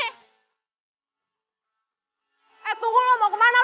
eh tunggu lu mau kemana lu